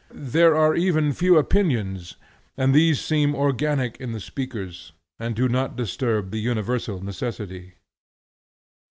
There are even few opinions, and these seem organic in the speakers, and do not disturb the universal necessity.